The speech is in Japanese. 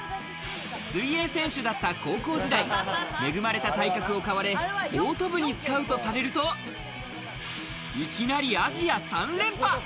水泳選手だった高校時代、恵まれた体格を買われ、ボート部にスカウトされると、いきなりアジア３連覇。